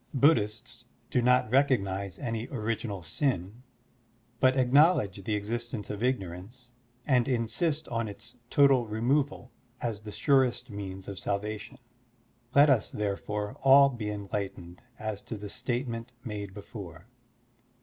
Buddhists do not recognize any original sin, but acknowledge the existence of ignorance, and insist on its total removal as the surest means of salvation. Let us, therefore, all be enlight ened as to the statement made before.